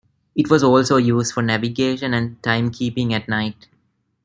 It was also used for navigation and time-keeping at night.